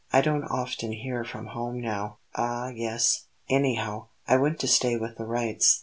"I don't often hear from home now." "Ah, yes! Anyhow, I went to stay with the Wrights."